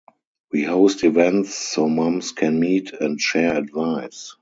We host events so moms can meet and share advice.